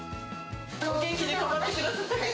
お元気で頑張ってください。